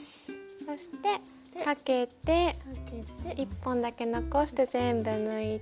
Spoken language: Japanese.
そしてかけて１本だけ残して全部抜いて。